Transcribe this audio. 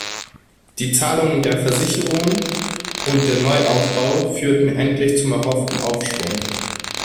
Die Zahlungen der Versicherungen und der Neuaufbau führten endlich zum erhofften Aufschwung.